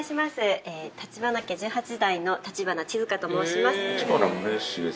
立花家１８代の立花千月香と申します。